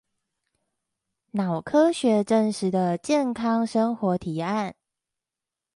腦科學實證的健康生活提案